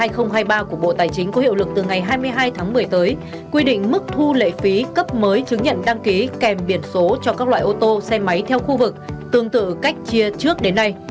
thông tư sáu mươi nghìn hai trăm linh bốn của bộ tài chính có hiệu lực từ ngày hai mươi hai tháng một mươi tới quy định mức thu lệ phí cấp mới chứng nhận đăng ký kèm biển số cho các loại ô tô xe máy theo khu vực tương tự cách chia trước đến nay